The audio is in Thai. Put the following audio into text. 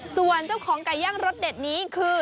ส่วนเจ้าของไก่ย่างรสเด็ดนี้คือ